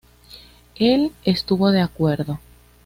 Él estuvo de acuerdo.